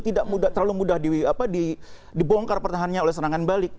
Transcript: tidak terlalu mudah dibongkar pertahanannya oleh serangan balik